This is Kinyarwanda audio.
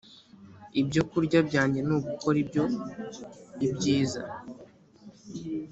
ibyo kurya byanjye ni ugukora ibyo ibyiza